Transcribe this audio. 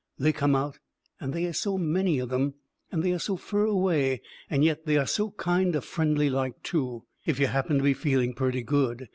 They come out and they is so many of them and they are so fur away, and yet they are so kind o' friendly like, too, if you happen to be feeling purty good.